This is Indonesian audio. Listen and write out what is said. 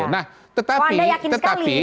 oh anda yakin sekali